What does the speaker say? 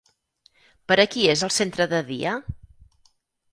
Per a qui és el centre de dia?